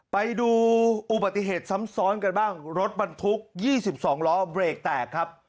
ไปดูอุบัติเหตุซ้ำซ้อนกันบ้างรถบรรทุก๒๒ล้อเบรกแตกครับ